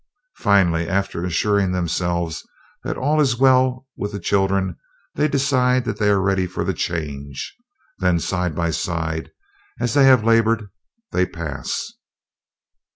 Finally, after assuring themselves that all is well with the children, they decide that they are ready for the Change. Then, side by side as they have labored, they pass."